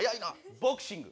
ボクシング。